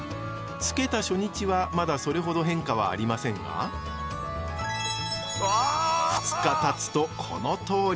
つけた初日はまだそれほど変化はありませんが２日たつとこのとおり！